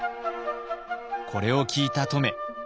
これを聞いた乙女。